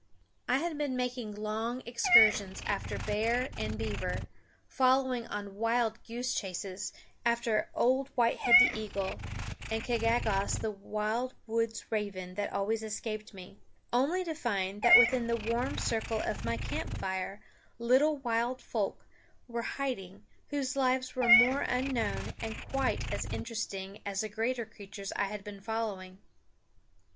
I had been making long excursions after bear and beaver, following on wild goose chases after Old Whitehead the eagle and Kakagos the wild woods raven that always escaped me, only to find that within the warm circle of my camp fire little wild folk were hiding whose lives were more unknown and quite as interesting as the greater creatures I had been following.